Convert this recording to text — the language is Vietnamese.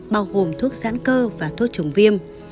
bao gồm thuốc giãn cơ và thuốc chống viêm